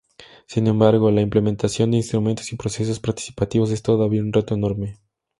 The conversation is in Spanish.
Sin embargo, la implementación de instrumentos y procesos participativos es todavía un reto enorme.